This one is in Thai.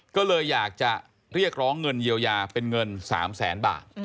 ก็เลยอยากจะเรียกร้องเงินเยียวยาเป็นเงิน๓แสนบาท